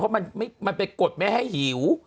เพราะมันไปกดไม่ให้หิว